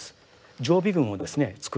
常備軍をですね作る。